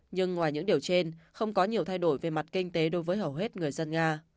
nhưng ngoài những điều trên không có nhiều thay đổi về mặt kinh tế đối với hầu hết người dân nga